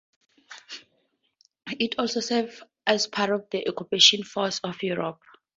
It also served as part of the occupation force of Europe.